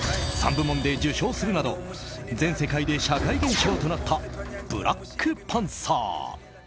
３部門で受賞するなど全世界で社会現象となった「ブラックパンサー」。